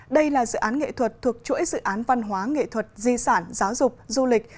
đây là dự án nghệ thuật thuộc chuỗi dự án văn hóa nghệ thuật di sản giáo dục du lịch